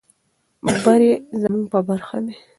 بري زموږ په برخه ده.